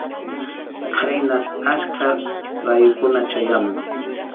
Khaynas achka rayukuna chayamun.